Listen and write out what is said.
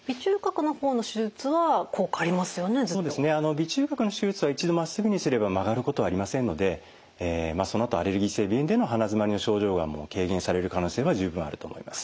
鼻中隔の手術は一度まっすぐにすれば曲がることはありませんのでそのあとアレルギー性鼻炎での鼻づまりの症状がもう軽減される可能性は十分あると思います。